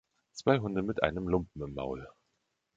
Zwei Hunde mit einem Lumpen im Maul